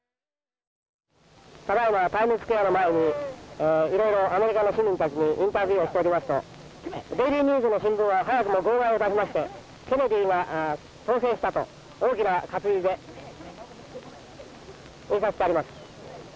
ただいまタイムズスクエアの前にいろいろアメリカの市民たちにインタビューをしておりますとデイリーニュースの新聞は早くも号外を出しましてケネディが当選したと大きな活字で印刷してあります。